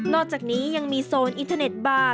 อกจากนี้ยังมีโซนอินเทอร์เน็ตบาร์